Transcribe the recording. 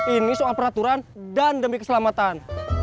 ini soal peraturan dan demi keselamatan